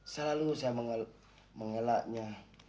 selalu saya mengelaknya